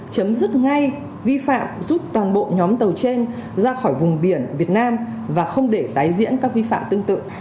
chấm dứt ngay vi phạm rút toàn bộ nhóm tàu trên ra khỏi vùng biển việt nam và không để tái diễn các vi phạm tương tự